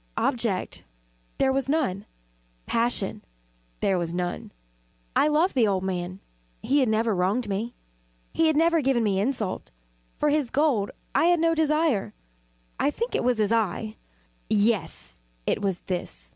Object there was none. Passion there was none. I loved the old man. He had never wronged me. He had never given me insult. For his gold I had no desire. I think it was his eye! yes, it was this!